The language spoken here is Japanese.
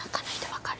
分かる？